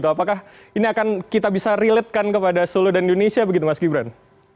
apakah ini akan kita bisa relatekan kepada solo dan indonesia begitu mas gibran